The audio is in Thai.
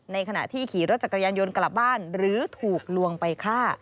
ขณะที่ขี่รถจักรยานยนต์กลับบ้านหรือถูกลวงไปฆ่า